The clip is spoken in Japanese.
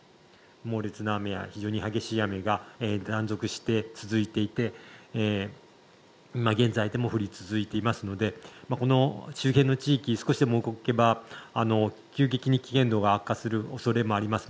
猛烈な雨や非常に激しい雨が断続して続いていて現在でも降り続いていますのでこの周辺の地域少しでも動けば危険度が急激に悪化する可能性があります。